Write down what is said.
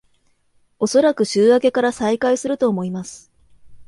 おそらく週明けから再開すると思います